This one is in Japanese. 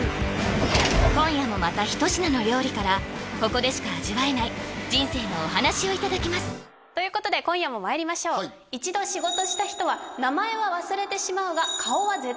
今夜もまた一品の料理からここでしか味わえない人生のお話をいただきますということで今夜もまいりましょういやそうなんですよ